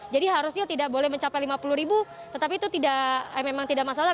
jadi harusnya tidak boleh mencapai lima puluh ribu tetapi itu memang tidak masalah